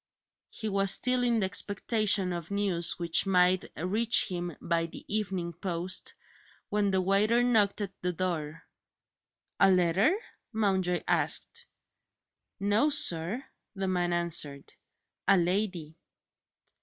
He was still in expectation of news which might reach him by the evening post, when the waiter knocked at the door. "A letter?" Mountjoy asked. "No, sir," the man answered; "a lady."